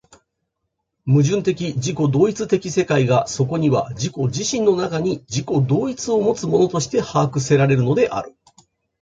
矛盾的自己同一的世界がそこには自己自身の中に自己同一をもつものとして把握せられるのである。